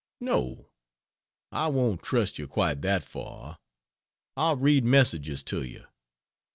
No. I won't trust you quite that far. I'll read messages to you.